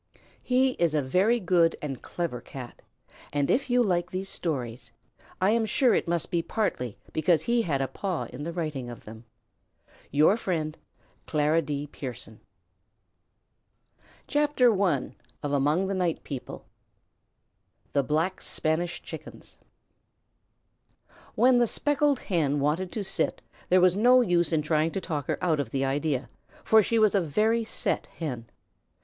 He is a very good and clever Cat, and if you like these stories I am sure it must be partly because he had a paw in the writing of them. Your friend, CLARA D. PIERSON. STANTON, MICHIGAN, April 15th, 1901. THE BLACK SPANISH CHICKENS When the Speckled Hen wanted to sit there was no use in trying to talk her out of the idea, for she was a very set Hen.